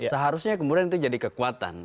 seharusnya kemudian itu jadi kekuatan